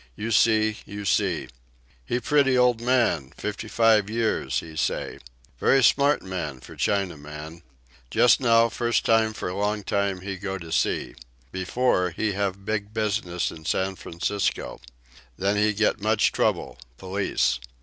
'You see, You see.' He pretty old man—fifty five years, he say. Very smart man for Chinaman. Just now, first time for long time, he go to sea. Before, he have big business in San Francisco. Then he get much trouble—police.